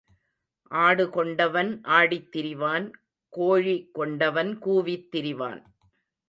ஆடு கொண்டவன் ஆடித் திரிவான் கோழி கொண்டவன் கூவித் திரிவான்.